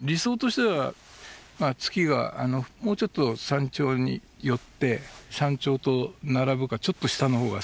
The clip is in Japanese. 理想としては月がもうちょっと山頂に寄って山頂と並ぶかちょっと下のほうが好きなんです。